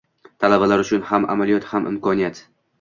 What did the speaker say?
Talabalar uchun ham amaliyot, ham imkoniyat